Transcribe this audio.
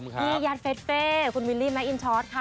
พี่ยัทรเฟชเฟคุณวิลลีใหม่แอมชอสค่ะ